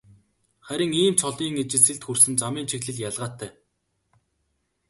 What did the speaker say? Харин ийм цолын ижилсэлд хүрсэн замын чиглэл ялгаатай.